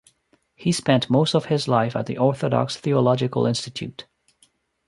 He spent most of his life at the Orthodox Theological Institute.